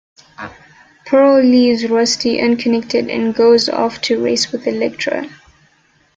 Pearl leaves Rusty unconnected and goes off to race with Electra.